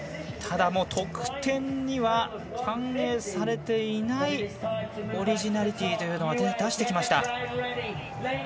ただ、もう得点には反映されていないオリジナリティーというのは出してきました。